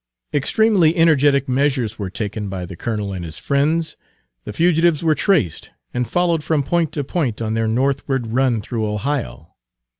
Extremely energetic measures were taken by the colonel and his friends. The fugitives were traced, and followed from point to point, on their northward run through Ohio.